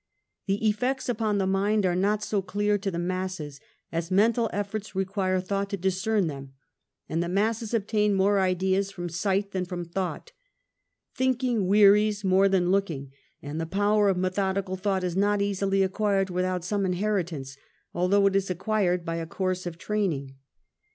The effects upon the mind are not so clear to the masses, as mental efforts require thought to dis cern them, and the masses obtain more ideas from sight than from thought. Thi nking wearies more than looking, and the power of methodical thought is not easily acquired without some inheritance, although it is acquired by a course of training.